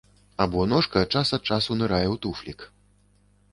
Або ножка час ад часу нырае ў туфлік.